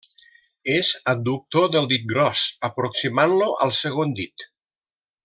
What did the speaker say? És adductor del dit gros, aproximant-lo al segon dit.